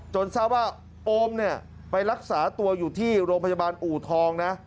ทราบว่าโอมเนี่ยไปรักษาตัวอยู่ที่โรงพยาบาลอูทองนะ